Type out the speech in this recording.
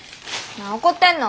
なあ怒ってんの？